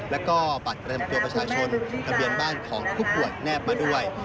แล้วก็บัตรประจำตัวประชาชนทะเบียนบ้านของผู้ป่วยแนบมาด้วย